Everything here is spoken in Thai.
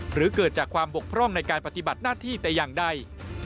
หรือเกิดจากความบกพร่องในการปฏิบัติหน้าที่แต่อย่างใด